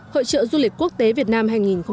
hội trợ du lịch quốc tế việt nam hai nghìn một mươi tám